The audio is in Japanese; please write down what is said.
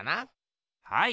はい。